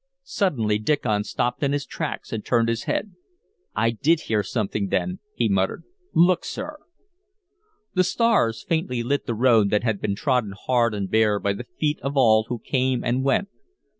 Suddenly Diccon stopped in his tracks and turned his head. "I did hear something then," he muttered. "Look, sir!" The stars faintly lit the road that had been trodden hard and bare by the feet of all who came and went.